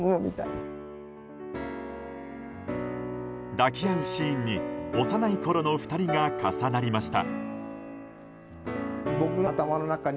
抱き合うシーンに幼いころの２人が重なりました。